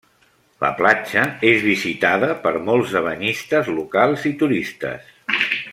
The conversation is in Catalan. La platja és visitada per molts de banyistes locals i turistes.